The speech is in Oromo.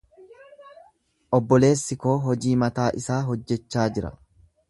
Obboleessi koo hojii mataa isaa hojjechaa jira.